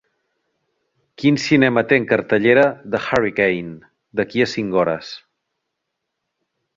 Quin cinema té en cartellera "The Hurricane" d'aquí a cinc hores